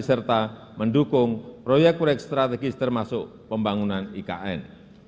serta mendukung proyek proyek strategis termasuk pembangunan ikn